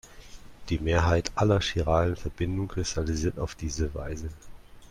Die Mehrheit aller chiralen Verbindungen kristallisiert auf diese Weise.